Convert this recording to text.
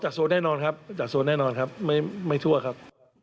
อ๋อจัดโซนแน่นอนครับจัดโซนแน่นอนครับไม่ไม่ทั่วครับ